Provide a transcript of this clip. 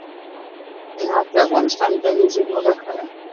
نفت د افغانستان د طبیعي زیرمو برخه ده.